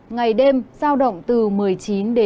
ngày đêm sao động từ một mươi bảy đến hai mươi bốn độ